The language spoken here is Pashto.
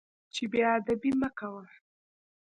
چې بې ادبي مه کوه.